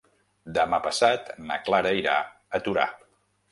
Demà passat na Clara irà a Torà.